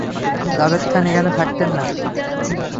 জাভেদ খান এখানে থাকতেন না।